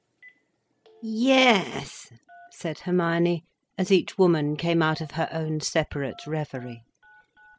"Yes," said Hermione, as each woman came out of her own separate reverie.